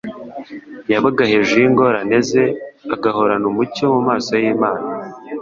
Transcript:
Yabaga hejuru y'ingorane ze, agahorana umucyo mu maso y'Imana.